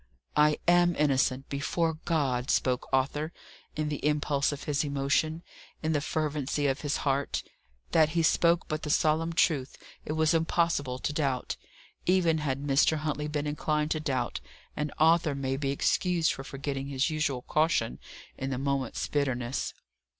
"I am innocent, before God," spoke Arthur, in the impulse of his emotion, in the fervency of his heart. That he spoke but the solemn truth, it was impossible to doubt, even had Mr. Huntley been inclined to doubt; and Arthur may be excused for forgetting his usual caution in the moment's bitterness.